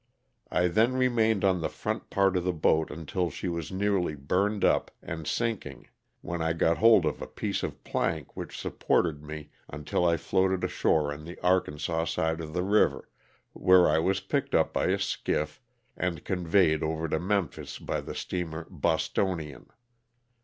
I then remained on the front part of the boat until she was nearly burned up and sinking, when I got hold of a piece of plank which supported me until I floated ashore on the Arkansas side of the river, where I was picked up by a skiff and conveyed over to Memphis by the steamer Bostonian."